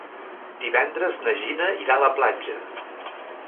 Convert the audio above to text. Divendres na Gina irà a la platja.